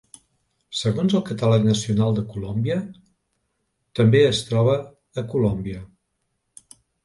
Segons el Catàleg Nacional de Colòmbia també es troba a Colòmbia.